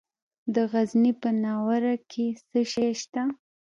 د غزني په ناوور کې څه شی شته؟